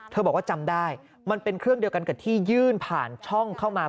บอกว่าจำได้มันเป็นเครื่องเดียวกันกับที่ยื่นผ่านช่องเข้ามา